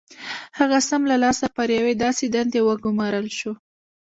هغه سم له لاسه پر یوې داسې دندې وګومارل شو